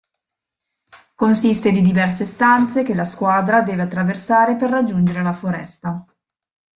Consiste di diverse stanze che la squadra deve attraversare per raggiungere la foresta.